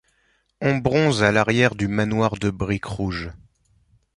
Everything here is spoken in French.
On bronze à l'arrière du manoir de briques rouges.